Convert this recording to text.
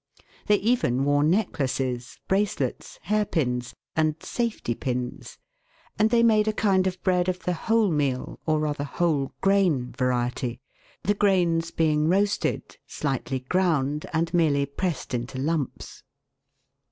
They even wore necklaces, brace 266 THE WORLD'S LUMBER ROOM. lets, hair pins, and " safety pins " (Fig. 54), and they made a kind of bread of the "whole meal" or rather "whole grain" variety, the grains being roasted, slightly ground, and merely pressed into lumps.